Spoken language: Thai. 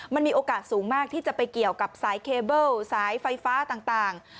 มันมีโอกาสสูงมากที่จะไปเกี่ยวกับสายเคเบิลสายไฟฟ้าต่าง